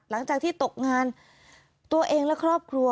หลังจากที่ตกงานตัวเองและครอบครัว